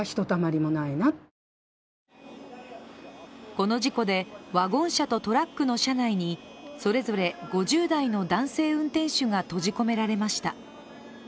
この事故で、ワゴン車とトラックの車内にそれぞれ５０代の男性運転手が閉じ込められました。